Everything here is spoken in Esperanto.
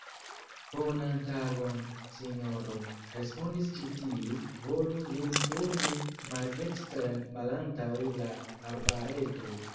Bonan tagon, sinjoro, respondis ĉi tiu, volu vin turni maldekstren malantaŭ la arbareto.